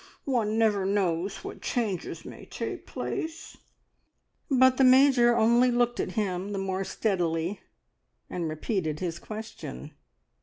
One never knows what changes may take place." But the Major only looked at him the more steadily and repeated his question.